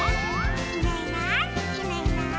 「いないいないいないいない」